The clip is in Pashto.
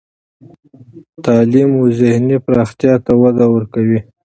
تعلیم و ذهني پراختیا ته وده ورکوي.